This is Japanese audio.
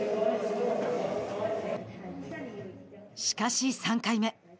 しかし、３回目。